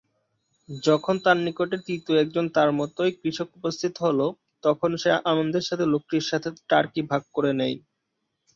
যখন তার নিকটে তৃতীয় একজন তার মতোই কৃষক উপস্থিত হলো তখন সে আনন্দের সাথে লোকটির সাথে টার্কি ভাগ করে নেয়।